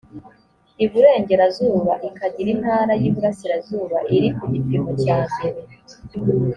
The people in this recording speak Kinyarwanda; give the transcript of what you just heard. iburengerazuba ikagira intara y iburasirazuba iri ku gipimo cya mbere